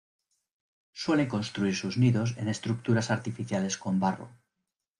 Suelen construir sus nidos en estructuras artificiales con barro.